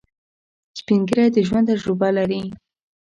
سپین ږیری د ژوند تجربه لري